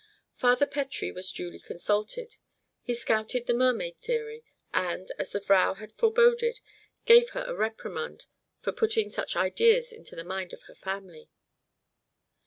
Father Pettrie was duly consulted. He scouted the mermaid theory, and, as the Vrow had foreboded, gave her a reprimand for putting such ideas into the mind of her family.